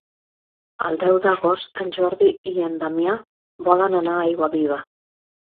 El deu d'agost en Jordi i en Damià volen anar a Aiguaviva.